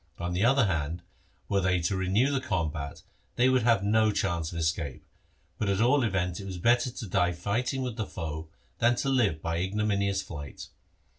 On the other hand, were they to renew the combat, they would have no chance of escape ; but at all events it was better to die fighting with the foe than to live by igno minious flight.